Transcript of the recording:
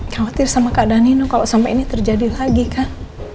khawatir sama keadaan nino kalau sampai ini terjadi lagi kan